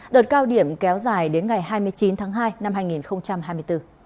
đợt cao điểm kéo dài đến ngày hai mươi chín tháng hai năm hai nghìn hai mươi bốn